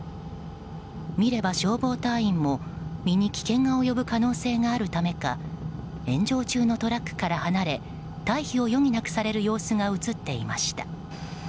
見れば消防隊員も、身に危険が及ぶ可能性があるためか炎上中のトラックから離れ退避を余儀なくされる様子が映っていました。